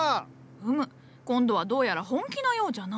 うむ今度はどうやら本気のようじゃな。